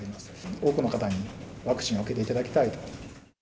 多くの方にワクチンを受けていただきたいと。